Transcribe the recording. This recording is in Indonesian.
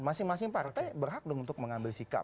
masing masing partai berhak dong untuk mengambil sikap